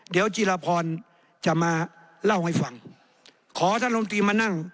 เดี๋ยวจีรพรจะมาเล่าให้ฟังขอท่านลมตรีมานั่ง